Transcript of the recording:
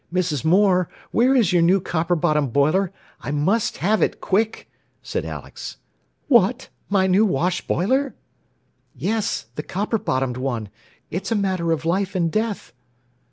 "Mrs. Moore, where is your new copper bottomed boiler? I must have it, quick," said Alex. "What! My new wash boiler?" "Yes; the copper bottomed one. It's a matter of life and death!"